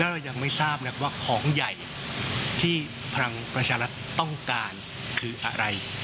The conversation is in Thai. เรายังไม่ทราบนะครับว่าของใหญ่ที่พลังประชารัฐต้องการคืออะไร